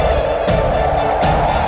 aku akan menikah denganmu